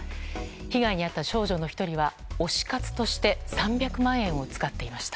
被害に遭った少女の１人は推し活として３００万円を使っていました。